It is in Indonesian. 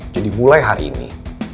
jadi mulai hari ini